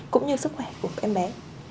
cũng như sức khỏe của em bé